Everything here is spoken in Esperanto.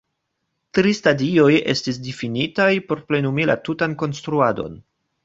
Tri stadioj estis difinitaj por plenumi la tutan konstruadon.